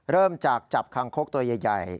เริ่มจากจับคางคกตัวใหญ่